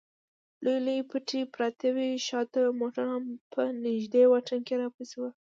لوی لوی پټي پراته و، شا ته موټرونه په نږدې واټن کې راپسې و.